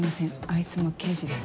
いつも刑事です。